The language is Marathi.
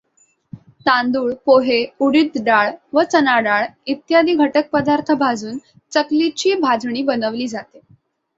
तांदूळ, पोहे, उडीद डाळ व चणाडाळ इत्यादी घटकपदार्थ भाजून चकलीची भाजणी बनवली जाते.